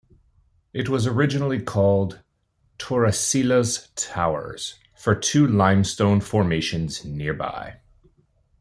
It was originally called Torrecillas Towers, for two limestone formations nearby.